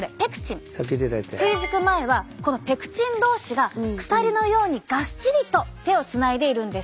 追熟前はこのペクチン同士が鎖のようにがっしりと手をつないでいるんです。